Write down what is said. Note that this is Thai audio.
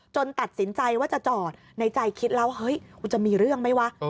ตัดสินใจว่าจะจอดในใจคิดแล้วเฮ้ยกูจะมีเรื่องไหมวะ